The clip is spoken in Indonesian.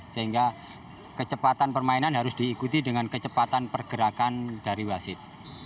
sehingga kecepatan permainan harus diikuti dengan kecepatan pergerakan dari wasit